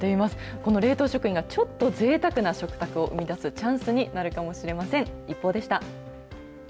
この冷凍食品がちょっとぜいたくな食卓を生み出すチャンスになるかもしれません。